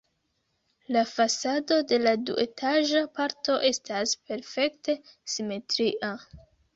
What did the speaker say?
La fasado de la duetaĝa parto estas perfekte simetria.